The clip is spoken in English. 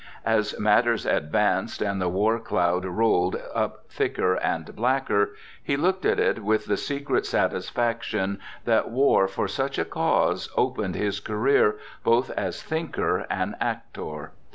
As matters advanced and the war cloud rolled up thicker and blacker, he looked at it with the secret satisfaction that war for such a cause opened his career both as thinker and actor.